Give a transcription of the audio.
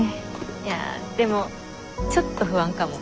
いやでもちょっと不安かも。